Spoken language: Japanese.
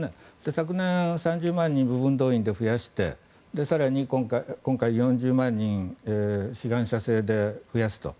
昨年、３０万人部分動員で増やして更に今回、４０万人志願者制で増やすと。